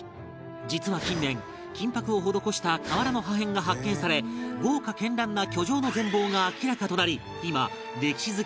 実は近年金箔を施した瓦の破片が発見され豪華絢爛な居城の全貌が明らかとなり今